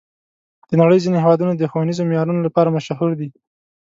د نړۍ ځینې هېوادونه د ښوونیزو معیارونو لپاره مشهور دي.